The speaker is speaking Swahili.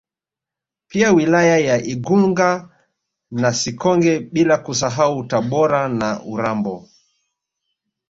Pia wilaya za Igunga na Sikonge bila kusahau Tabora na Urambo